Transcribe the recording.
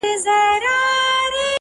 خو کېداسي چي